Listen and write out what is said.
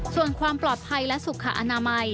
ส่วนความปลอดภัยและสุขอนามัย